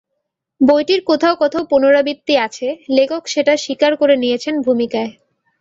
বইটির কোথাও কোথাও পুনরাবৃত্তি আছে, লেখক সেটা স্বীকার করে নিয়েছেন ভূমিকায়।